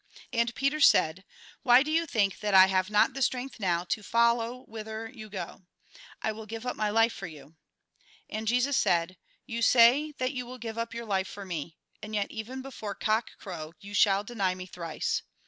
And Peter said :" Why do joxi think that I have not the strength now to follow whither you go ? I will give up my life for you." And Jesus said :" You say that you will give up your life for me, and yet even before cock crow you shall deny me thrice."